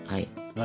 何？